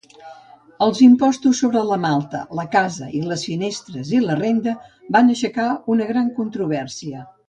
Els impostos sobre la malta, la casa i les finestres i la renda van aixecar una gran controvèrsia.